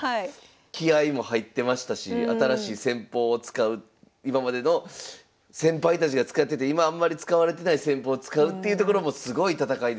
気合いも入ってましたし新しい戦法を使う今までの先輩たちが使ってて今あんまり使われてない戦法を使うっていうところもすごい戦いでした。